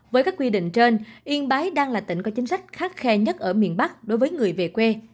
với các quy định trên yên bái đang là tỉnh có chính sách khắc khe nhất ở miền bắc đối với người về quê